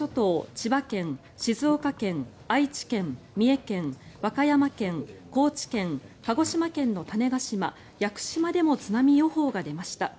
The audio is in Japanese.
千葉県、静岡県愛知県、三重県和歌山県、高知県鹿児島県の種子島、屋久島でも津波予報が出ました。